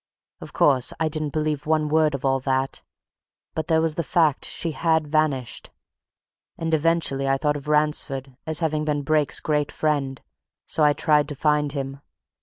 Of course, I didn't believe one word of all that. But there was the fact she had vanished! And eventually, I thought of Ransford, as having been Brake's great friend, so I tried to find him.